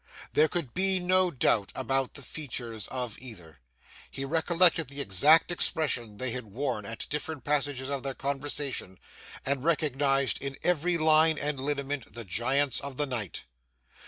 There could be no doubt about the features of either; he recollected the exact expression they had worn at different passages of their conversation, and recognised in every line and lineament the Giants of the night.